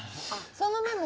そのメモ。